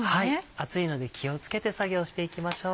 熱いので気を付けて作業していきましょう。